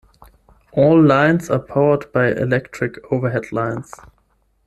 All lines are powered by electric overhead lines.